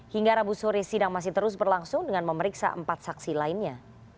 hingga rabu sore sidang masih terus berlangsung dengan memeriksa empat saksi lainnya